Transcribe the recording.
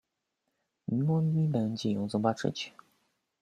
Miło mi będzie ją zobaczyć.